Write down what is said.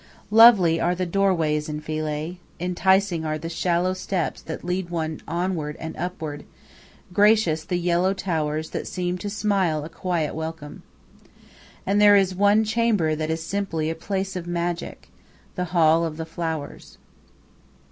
Lovely are the doorways in Philae, enticing are the shallow steps that lead one onward and upward; gracious the yellow towers that seem to smile a quiet welcome. And there is one chamber that is simply a place of magic the hall of the flowers.